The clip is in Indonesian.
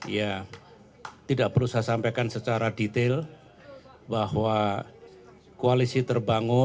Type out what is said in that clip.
jadi tidak perlu saya sampaikan secara detail bahwa koalisi terbang